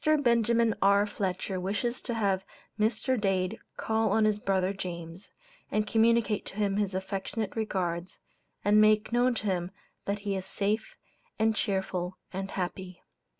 Benjamin R. Fletcher wishes to have Mr. Dade call on his brother James, and communicate to him his affectionate regards, and make known to him that he is safe, and cheerful and happy.